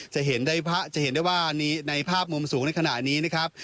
จะเห็นได้ว่าในภาพมุมสูงในขณะนี้นะครับ